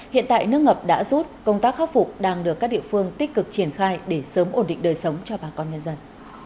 hiện tại nước ngập đã rút công tác khắc phục đang được các địa phương tích cực triển khai để sớm ổn định đời sống cho bà con nhân dân